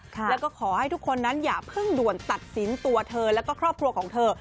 แล้วก็ขอให้ทุกคนนั้นอย่าเพิ่งด่วนตัดสินตัวเธอแล้วก็ครอบครัวของเธอ